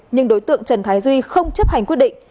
nhưng đối tượng trần thái duy không chấp hành quyết định